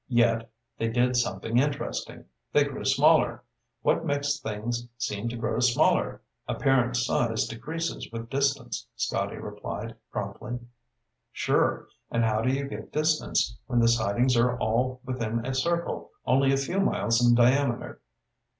Yet, they did something interesting. They grew smaller. What makes things seem to grow smaller?" "Apparent size decreases with distance," Scotty replied promptly. "Sure. And how do you get distance, when the sightings are all within a circle only a few miles in diameter?"